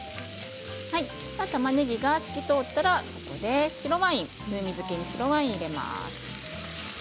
たまねぎが透き通ったら風味付けに白ワインを入れます。